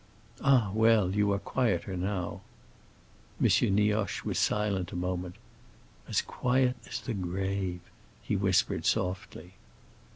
"Ah, well, you are quieter now." M. Nioche was silent a moment. "As quiet as the grave," he whispered softly.